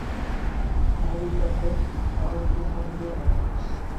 এটি মরিশাসের সাগর শিব মন্দিরের মতো।